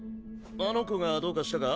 あの子がどうかしたか？